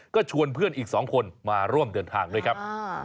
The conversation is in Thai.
ก็ชวนเพื่อนอีก๒คนมาร่วมเดินทางด้วยครับ